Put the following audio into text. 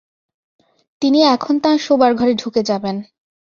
তিনি এখন তাঁর শোবার ঘরে ঢুকে যাবেন।